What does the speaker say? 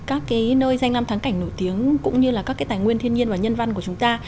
các cái nơi danh làm thắng cảnh nổi tiếng cũng như là các cái tài nguyên thiên nhiên và nhân văn của chúng ta